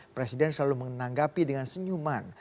presiden selalu menanggapi dengan senyuman